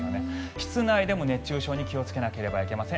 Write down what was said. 室内でも熱中症に気をつけなければいけません。